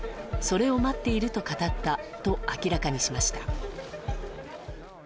それを待っていると語ったと明らかにしました。